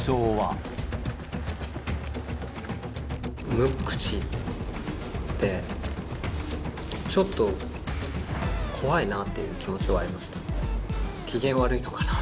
無口で、ちょっと怖いなっていう気持ちはありました。